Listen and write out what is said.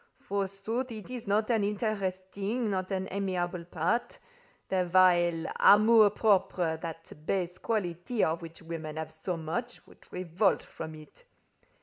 Forsooth, it is not an interesting, not an amiable, part; their vile amour propre—that base quality of which women have so much—would revolt from it.